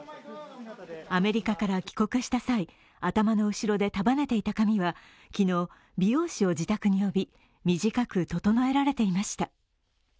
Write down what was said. アメリカから帰国した際、頭の後ろで束ねていた髪は昨日、美容師を自宅に呼び、短く整えられていました。